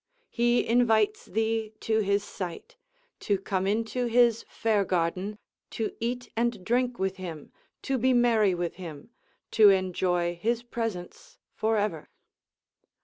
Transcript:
he invites thee to his sight, to come into his fair garden, to eat and drink with him, to be merry with him, to enjoy his presence for ever.